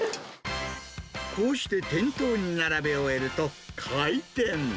こうして店頭に並べ終えると、開店。